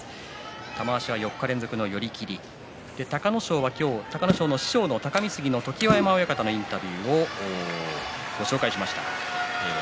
玉鷲は４日連続の寄り切り隆の勝は今日、隆の勝の師匠の隆三杉の常盤山親方のインタビューをご紹介しました。